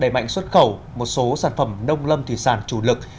đẩy mạnh xuất khẩu một số sản phẩm nông lâm thủy sản chủ lực